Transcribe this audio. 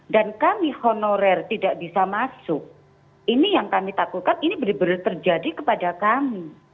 dan kami honorer tidak bisa masuk ini yang kami takutkan ini benar benar terjadi kepada kami